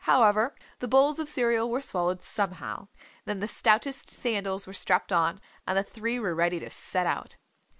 However the bowls of cereal were swallowed somehow. Then the stoutest sandals were strapped on, and the three were ready to set out.